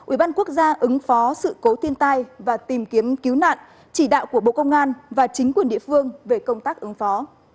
ủy ban quốc gia ứng phó sự cố thiên tai và tìm kiếm cứu nạn chỉ đạo của bộ công an và chính quyền địa phương về công tác ứng phó